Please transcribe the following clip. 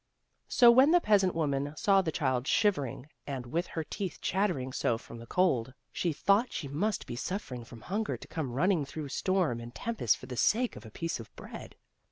So when the peasant woman saw the child shivering and with her teeth chattering so from the cold, she thought she must be suffering from hunger to come running through storm and tem pests for the sake of a piece of bread.